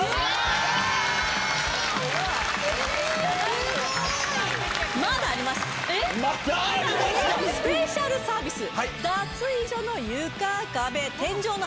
すごい！えっ⁉スペシャルサービス！